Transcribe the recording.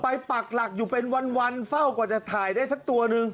ปักหลักอยู่เป็นวันเฝ้ากว่าจะถ่ายได้สักตัวหนึ่ง